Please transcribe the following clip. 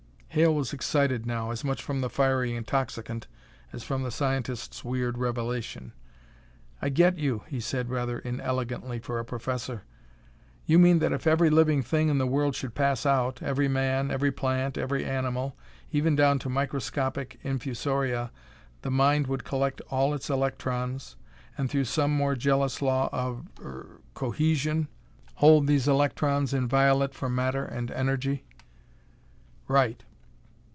Hale was excited now, as much from the fiery intoxicant as from the scientist's weird revelation. "I get you," he said, rather inelegantly for a professor. "You mean that if every living thing in the world should pass out, every man, every plant, every animal, even down to microscopic infusoria, the Mind would collect all its electrons, and through some more jealous law of, er, cohesion hold these electrons inviolate from matter and energy?" "Right!